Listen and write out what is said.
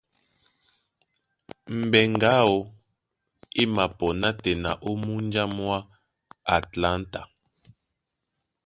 Mbɛŋgɛ aó e mapɔ nátɛna ó múnja mwá Atlanta.